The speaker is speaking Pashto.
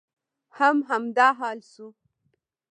هم همدا حال شو.